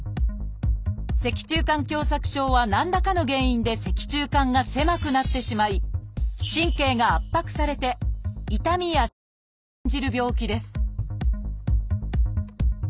「脊柱管狭窄症」は何らかの原因で脊柱管が狭くなってしまい神経が圧迫されて痛みやしびれを感じる病気です